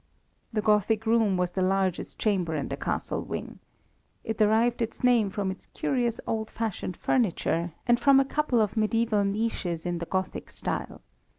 The Gothic Room was the largest chamber in the castle wing. It derived its name from its curious old fashioned furniture, and from a couple of mediæval niches in the Gothic style.